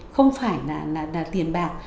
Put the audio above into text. không phải là tiền bạc